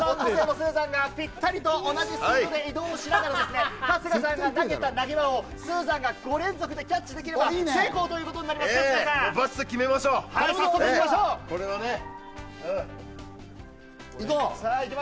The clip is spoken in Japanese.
春日さんとオットセイのスーザンがぴったりと同じスピードで移動しながら、春日さんが投げた投げ輪をスーザンが５連続でキャッチできれば成功となりま行こう。